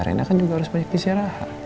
karena kan juga harus banyak istirahat